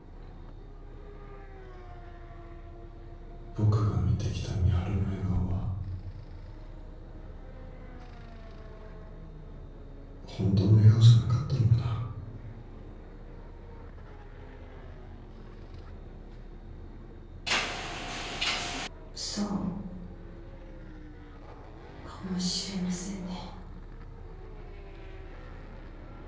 僕が見てきた美晴の笑顔はホントの笑顔じゃなかったのかなそうかもしれませんね